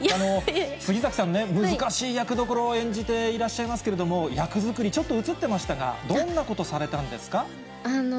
杉咲さんね、難しい役どころを演じていらっしゃいますけれども、役作り、ちょっと映ってましたが、どんなことされたんですか？